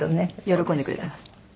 喜んでくれてます。